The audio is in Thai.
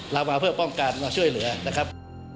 เรามาเพื่อป้องกันมาช่วยเหลือนะครับ